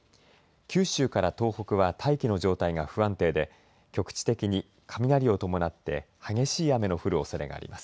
九州から東北は大気の状態が不安定で局地的に雷を伴って激しい雨の降るおそれがあります。